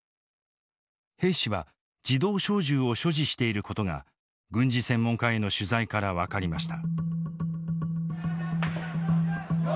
兵士は自動小銃を所持していることが軍事専門家への取材から分かりました。